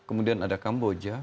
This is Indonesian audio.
kemudian ada kamboja